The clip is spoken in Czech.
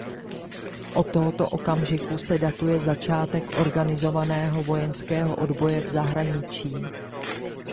Od tohoto okamžiku se datuje začátek organizovaného vojenského odboje v zahraničí.